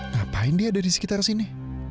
ngapain dia ada di sekitar sini